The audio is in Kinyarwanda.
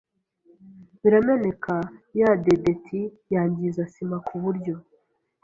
birameneka ya dedeti yangiza sima ku buryo